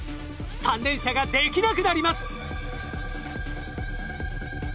３連射ができなくなります。